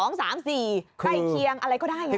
ใกล้เคียงอะไรก็ได้ไง